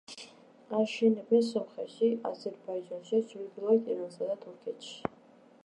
აშენებენ სომხეთში, აზერბაიჯანში, ჩრდილოეთ ირანსა და თურქეთში.